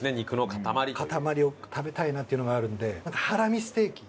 塊を食べたいなっていうのがあるのでハラミステーキ。